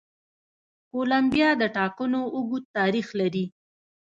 کولمبیا د ټاکنو اوږد تاریخ لري.